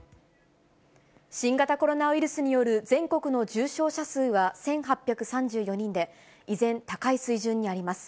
新型コロナウイルスによる全国の重症者数は１８３４人で、依然、高い水準にあります。